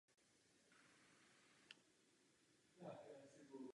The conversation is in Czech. Ještě jednou bych však chtěl zdůraznit dvě věci.